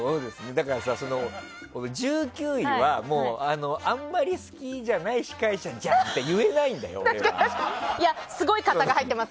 だから、１９位はあんまり好きじゃない司会者じゃんって言えないんだよ。